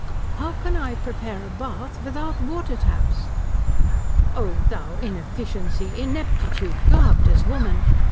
"How can I prepare a bath without water taps?" "O thou Inefficiency! Ineptitude garbed as woman!